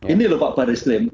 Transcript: ini lho pak baris krim